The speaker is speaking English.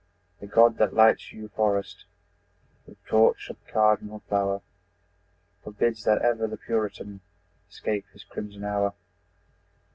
The God that lights your forest With torch of cardinal flower, Forbids that ever the Puritan Escape his crimson hour.